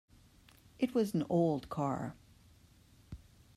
It was an old car.